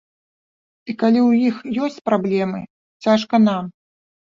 І калі ў іх ёсць праблемы, цяжка нам.